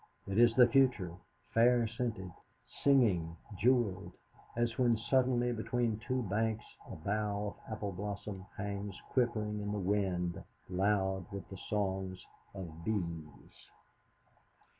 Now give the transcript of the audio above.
It is the future, fair scented, singing, jewelled, as when suddenly between high banks a bough of apple blossom hangs quivering in the wind loud with the song of bees.